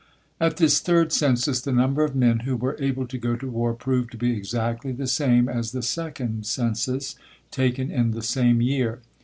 At this third census the number of men who were able to go to war proved to be exactly the same as the second census, taken in the same year.